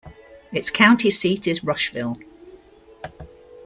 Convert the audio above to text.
Its county seat is Rushville.